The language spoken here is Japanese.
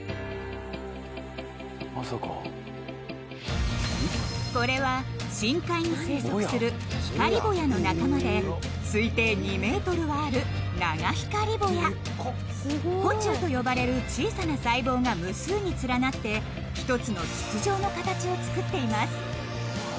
まさかこれは深海に生息する「ヒカリボヤ」の仲間で推定２メートルはある「ナガヒカリボヤ」「個虫」と呼ばれる小さな細胞が無数に連なって１つの筒状の形を作っています